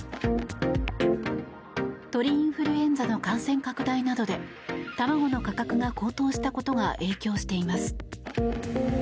鳥インフルエンザの感染拡大などで卵の価格が高騰したことが影響しています。